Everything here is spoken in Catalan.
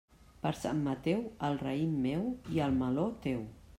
Per Sant Mateu, el raïm meu i el meló, teu.